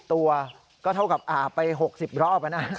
ตัวก็เท่ากับอาบไป๖๐รอบนะ